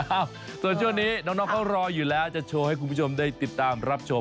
ส่วนช่วงนี้น้องเขารออยู่แล้วจะโชว์ให้คุณผู้ชมได้ติดตามรับชม